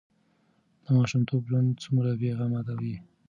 د ماشومتوب ژوند څومره بې غمه وي.